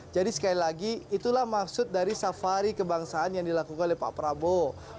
jadi sekali lagi itulah maksud dari safari kebangsaan yang dilakukan oleh pak prabowo